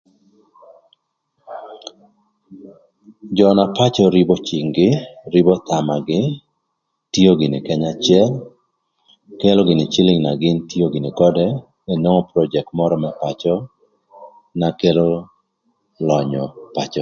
Jö na pacö rïbö cïngï, rïbö thamagï, tio gïnï kanya acël, kelo gïnï cïlïng na gïn tio gïnï ködë më project mörö më pacö na kelo lönyö ï pacö.